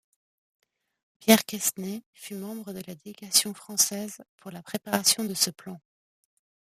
Pierre Quesnay fut membre de la Délégation française pour la préparation de ce plan.